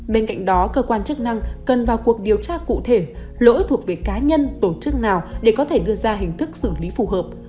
bên cạnh đó cơ quan chức năng cần vào cuộc điều tra cụ thể lỗi thuộc về cá nhân tổ chức nào để có thể đưa ra hình thức xử lý phù hợp